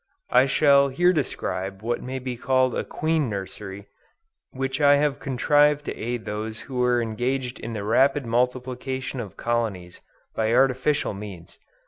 I shall here describe what may be called a Queen Nursery which I have contrived to aid those who are engaged in the rapid multiplication of colonies by artificial means.